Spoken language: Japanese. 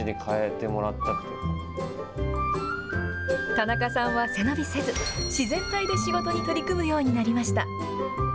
田中さんは背伸びせず、自然体で仕事に取り組むようになりました。